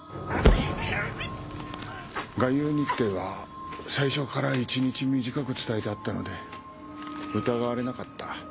外遊日程は最初から一日短く伝えてあったので疑われなかった。